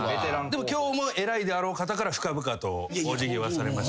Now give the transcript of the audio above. でも今日も偉いであろう方から深々とお辞儀はされました。